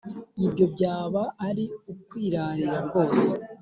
ibyo byaba ari ukwirarira rwose!